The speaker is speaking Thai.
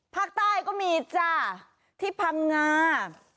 ภาคใต้ก็มีจ้าที่พังงา